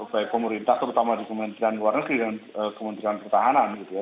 baik pemerintah terutama di kementerian luar negeri dan kementerian pertahanan gitu ya